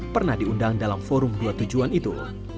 pernah diundang dalam forum dua tujuan itu